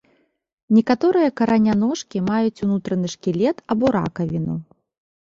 Некаторыя караняножкі маюць унутраны шкілет або ракавіну.